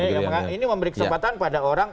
yang ini memberi kesempatan pada orang